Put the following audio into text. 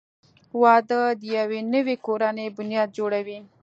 • واده د یوې نوې کورنۍ بنیاد جوړوي.